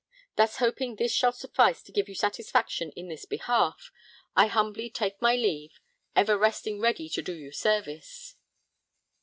Thus hoping this shall suffice to give you satisfaction in this behalf, I humbly take my leave, ever resting ready to do you service.